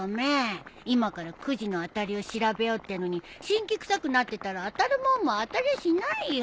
今からくじの当たりを調べようってのに辛気くさくなってたら当たるもんも当たりゃしないよ。